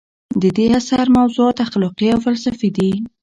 د دې اثر موضوعات اخلاقي او فلسفي دي.